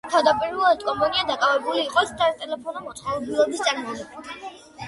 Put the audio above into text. თავდაპირველად კომპანია დაკავებული იყო სატელეფონო მოწყობილობების წარმოებით.